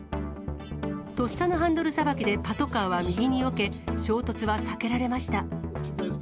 とっさのハンドルさばきでパトカーは右によけ、衝突は避けられました。